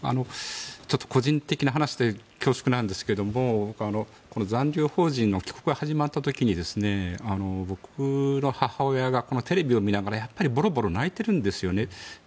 ちょっと個人的な話で恐縮なんですが残留邦人の帰国が始まった時に僕の母親がテレビを見ながら、やっぱりボロボロ泣いてるんですね。